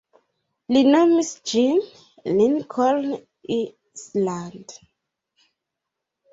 Li nomis ĝin Lincoln Island.